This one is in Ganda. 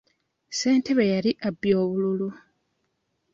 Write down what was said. Ssentebe yali abbye obululu.